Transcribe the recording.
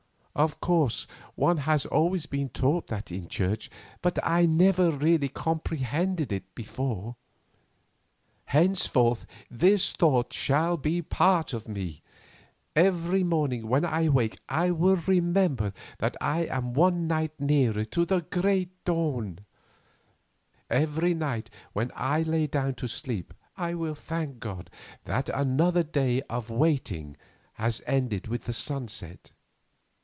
Of course one has always been taught that in church, but I never really comprehended it before. Henceforth this thought shall be a part of me! Every morning when I wake I will remember that I am one night nearer to the great dawn, every night when I lie down to sleep I will thank God that another day of waiting has ended with the sunset.